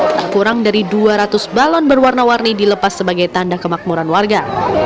tak kurang dari dua ratus balon berwarna warni dilepas sebagai tanda kemakmuran warga